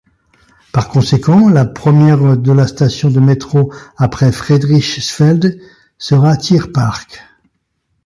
Par conséquent, la première de la station de métro après Friedrichsfelde sera Tierpark.